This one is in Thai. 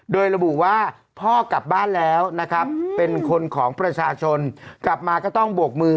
โดยระบุว่าพ่อกลับบ้านแล้วนะครับเป็นคนของประชาชนกลับมาก็ต้องบวกมือ